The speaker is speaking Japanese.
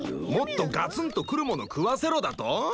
もっとガツンとくるもの食わせろだと？